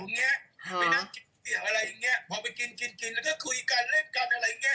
ไปนั่งกินเสียงอะไรอย่างเงี้ยพอไปกินกินแล้วก็คุยกันเล่นกันอะไรอย่างเงี้